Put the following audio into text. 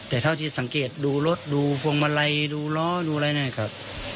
แต่เท่าที่สังเกตดูรถดูพวงมาลัยดูล้อดูอะไรนะครับ